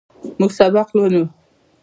موږ سبق لولو.